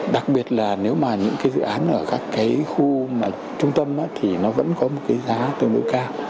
đặc biệt là nếu mà những cái dự án ở các cái khu mà trung tâm thì nó vẫn có một cái giá tương đối cao